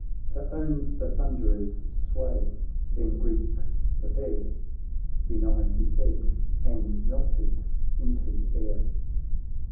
To own the Thunderer's sway, then Greeks prepare." Benign he said, and melted into air.